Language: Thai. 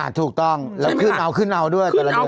อ่ะถูกต้องแล้วขึ้นเอาขึ้นเอาด้วยตลอดเดือน